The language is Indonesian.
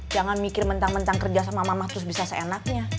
jangan mikir mentang mentang kerja sama mama terus bisa seenaknya